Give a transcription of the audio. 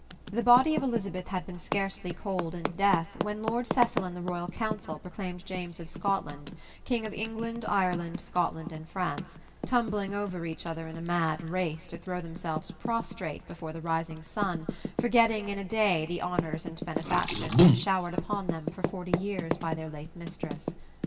The body of Elizabeth had been scarcely cold in death when Lord Cecil and the Royal Council proclaimed James of Scotland, King of England, Ireland, Scotland and France, tumbling over each other in a mad race to throw themselves prostrate before the rising sun, forgetting in a day the honors and benefactions showered upon them for forty years by their late mistress.